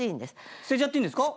捨てちゃっていいんですか？